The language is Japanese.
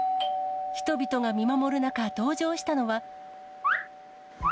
人々が見守る中、登場したのは。